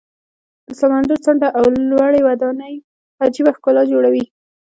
د سمندر څنډه او لوړې ودانۍ عجیبه ښکلا جوړوي.